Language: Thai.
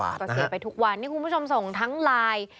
ก็เสียไปทุกวันนี่คุณผู้ชมส่งทั้งไลน์